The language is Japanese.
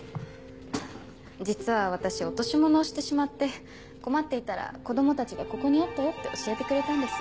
実は私落とし物をしてしまって困っていたら子供たちが「ここにあったよ」って教えてくれたんです。